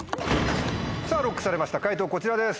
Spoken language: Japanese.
さぁＬＯＣＫされました解答こちらです。